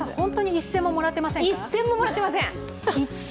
一銭ももらっていません。